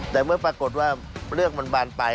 แต่เมื่อปรากฏว่าเรื่องมันบานไป